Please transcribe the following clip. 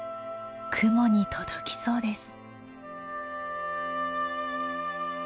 雲に届きそうです。